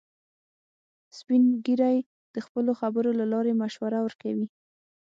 سپین ږیری د خپلو خبرو له لارې مشوره ورکوي